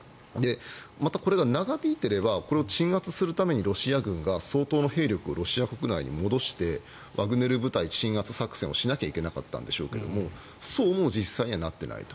また、これが長引いていればこれを鎮圧するためにロシア軍が相当の兵力をロシア国内に戻してワグネル部隊鎮圧作戦をしなくちゃいけなかったんですがそうも実際にはなっていないと。